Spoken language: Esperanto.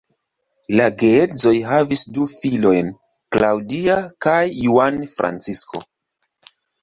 La geedzoj havis du filojn, Claudia kaj Juan Francisco.